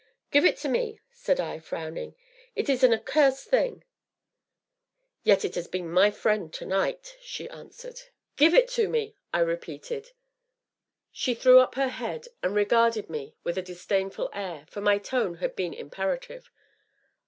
"Give it to me," said I, frowning, "it is an accursed thing!" "Yet it has been my friend to night," she answered. "Give it to me!" I repeated. She threw up her head, and regarded me with a disdainful air, for my tone had been imperative.